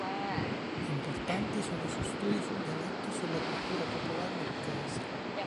Importanti sono i suoi studi sul dialetto e sulla cultura popolare lucchese.